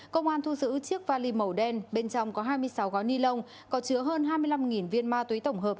công an thu giữ chiếc vali màu đen bên trong có hai mươi sáu gói ni lông có chứa hơn hai mươi năm viên ma túy tổng hợp